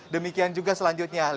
demikian juga selanjutnya